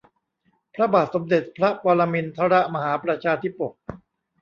พระบาทสมเด็จพระปรมินทรมหาประชาธิปก